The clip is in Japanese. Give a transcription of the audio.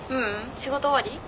仕事終わり？